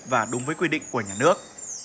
và đúng với quy định của nhà nước